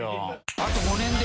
あと５年で？